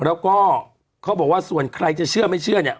แล้วก็เขาบอกว่าส่วนใครจะเชื่อไม่เชื่อเนี่ย